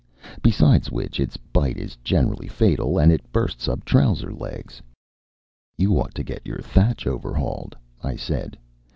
Besides which its bite is generally fatal, and it bursts up trouser legs." "You ought to get your thatch over hauled," I said.